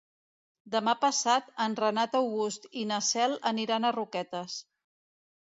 Demà passat en Renat August i na Cel aniran a Roquetes.